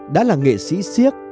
đã là nghệ sĩ siếc